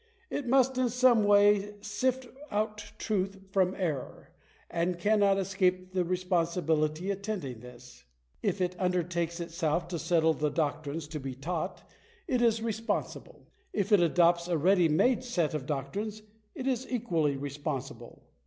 It must in some way sift out truth from error, and cannot escape the responsibility attending this. If it undertakes itself to settle the doctrines to be taught, it is responsible. If it adopts a ready made set of doctrines, it is equally responsible.